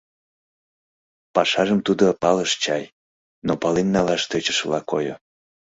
Пашажым тудо палыш чай, но пален налаш тӧчышыла койо.